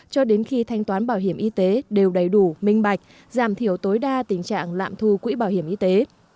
cho đến khi thanh toán bảo hiểm y tế đều đầy đủ minh bạch giảm thiểu tối đa tình trạng lạm thu quỹ bảo hiểm y tế